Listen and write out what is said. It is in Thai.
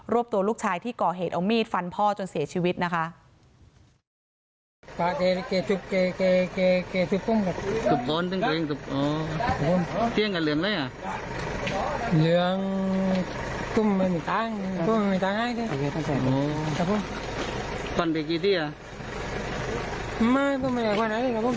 วบตัวลูกชายที่ก่อเหตุเอามีดฟันพ่อจนเสียชีวิตนะคะ